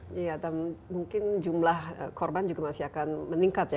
mungkin jumlah korban juga masih akan meningkat ya